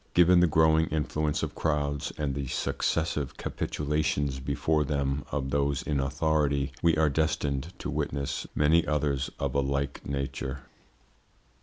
Given the growing influence of crowds and the successive capitulations before them of those in authority, we are destined to witness many others of a like nature.